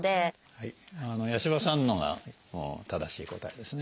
はい八嶋さんのが正しい答えですね。